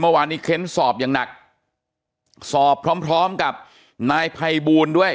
เมื่อวานนี้เค้นสอบอย่างหนักสอบพร้อมพร้อมกับนายภัยบูลด้วย